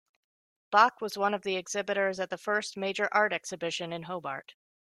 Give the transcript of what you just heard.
Bock was one of the exhibitors at the first major art exhibition, in Hobart.